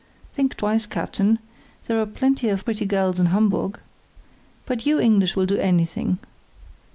"Think twice, captain, there are plenty of pretty girls in Hamburg. But you English will do anything.